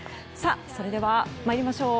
それでは参りましょう。